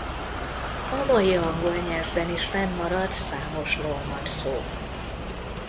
A mai angol nyelvben is fennmaradt számos normand szó.